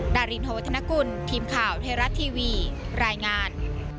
ดารินหวัฒนกุลทีมข่าวไทยรัฐทีวีรายงาน